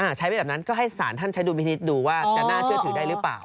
ใช้ไปแบบนั้นก็ให้สารท่านใช้ดุลพินิษฐ์ดูว่าจะน่าเชื่อถือได้หรือเปล่า